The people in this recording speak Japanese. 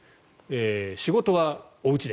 仕事はおうちで。